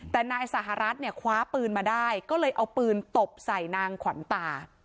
แต่นายสหรัฐเนี่ยคว้าปืนมาได้ก็เลยเอาปืนตบใส่นางขวัญตา